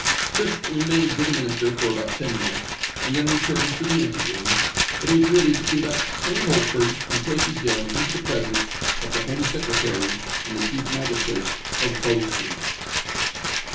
Crisp remained with the Minister for about ten minutes, and then returned to the ante room, but it was merely to conduct Henry Holford and Crankey Jem into the presence of the Home Secretary and the Chief Magistrate of Bow Street.